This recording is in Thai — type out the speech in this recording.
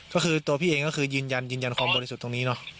ก็คือตัวพี่เองก็คือยืนยันยืนยันความบริสุทธิ์ตรงนี้เนอะ